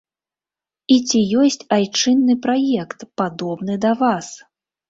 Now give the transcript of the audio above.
І ці ёсць айчынны праект, падобны да вас?